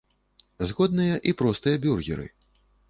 Згодныя і простыя бюргеры.